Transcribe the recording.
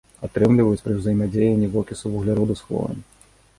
Атрымліваюць пры ўзаемадзеянні вокісу вугляроду з хлорам.